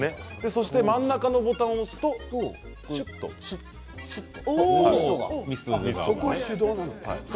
そして真ん中のボタンを押すとしゅっとミストが。